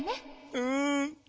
うん。